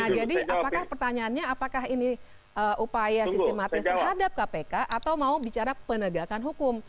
nah jadi apakah pertanyaannya apakah ini upaya sistematis terhadap kpk atau mau bicara penegakan hukum